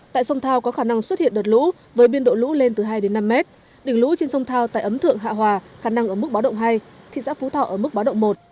tại sông thao có khả năng xuất hiện đợt lũ với biên độ lũ lên từ hai đến năm mét đỉnh lũ trên sông thao tại ấm thượng hạ hòa khả năng ở mức báo động hai thì giã phú thọ ở mức báo động một